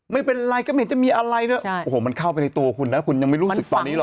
ไม่เป็นไรก็ไม่เห็นจะมีอะไรด้วยโอ้โหมันเข้าไปในตัวคุณนะคุณยังไม่รู้สึกตอนนี้ห